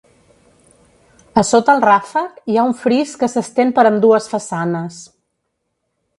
A sota el ràfec hi ha un fris que s'estén per ambdues façanes.